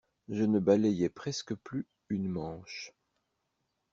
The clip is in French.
Je ne balayais presque plus une manche.